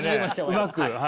うまく。